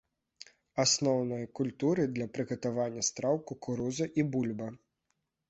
Асноўныя культуры для прыгатавання страў кукуруза і бульба.